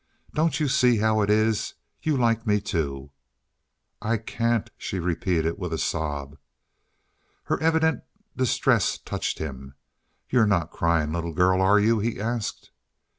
"Don't you see how it is? You like me too." "I can't," she repeated, with a sob. Her evident distress touched him. "You're not crying, little girl, are you?" he asked.